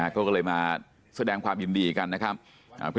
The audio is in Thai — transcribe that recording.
ก็เลยมาแสดงความยินดีกันนะครับ